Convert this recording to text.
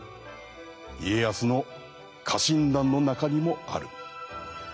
家康の家臣団の中にもある。